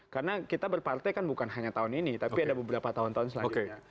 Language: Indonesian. karena kita berpartai kan bukan hanya tahun ini tapi ada beberapa tahun tahun selanjutnya